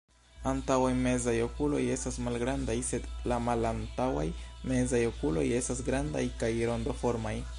Antaŭaj mezaj okuloj estas malgrandaj, sed la malantaŭaj mezaj okuloj estas grandaj kaj rondoformaj.